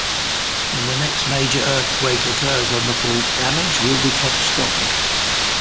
When the next major earthquake occurs on the fault, damage will be catastrophic.